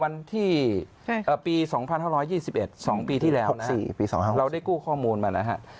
วันที่ปี๒๕๒๑๒ปีที่แล้วเราได้กู้ข้อมูลมาแล้วฮะ